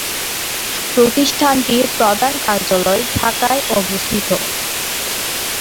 প্রতিষ্ঠানটির প্রধান কার্যালয় ঢাকায় অবস্থিত।